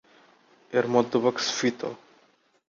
এর মধ্যভাগ স্ফীত।